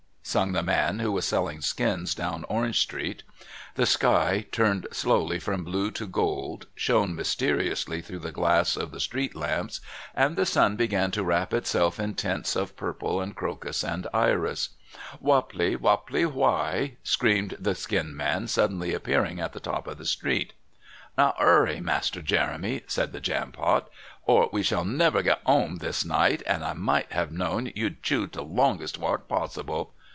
sung the man who was selling skins down Orange Street. The sky, turning slowly from blue to gold, shone mysteriously through the glass of the street lamps, and the sun began to wrap itself in tints of purple and crocus and iris. "Woppley Woppley Why!" screamed the skin man suddenly appearing at the top of the street. "Now 'urry, Master Jeremy," said the Jampot, "or we shall never get 'ome this night, and I might have known you'd choose the longest walk possible.